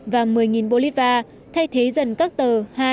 một hai năm và một mươi bolivar thay thế dần các tờ hai năm một mươi hai mươi